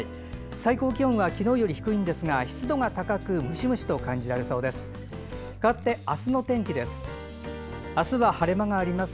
最高気温は昨日より低いですが湿度が高くムシムシと感じられそうです。